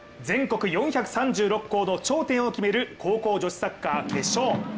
全国４３６校の頂点を決める高校女子サッカー決勝。